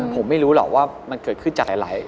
ผมไม่รู้หรอกว่ามันเกิดขึ้นจากอะไร